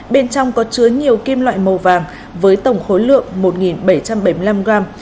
bên trong có chứa nhiều kim loại màu vàng với tổng khối lượng một bảy trăm bảy mươi năm gram